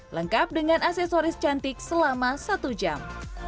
lengkap dengan aksesoris cantik selama satu jam